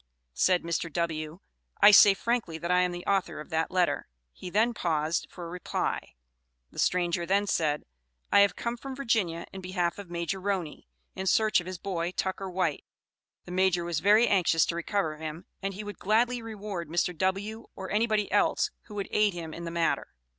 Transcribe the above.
Said Mr. W., "I say frankly that I am the author of that letter." He then paused for a reply. The stranger then said, "I have come from Virginia in behalf of Major Roney, in search of his boy, Tucker White; the Major was very anxious to recover him, and he would gladly reward Mr. W. or anybody else who would aid him in the matter."